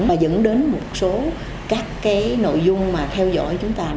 và dẫn đến một số các nội dung theo dõi chúng ta